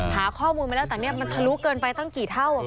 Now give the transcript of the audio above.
หาข้อมูลมาแล้วแต่เนี่ยมันทะลุเกินไปตั้งกี่เท่า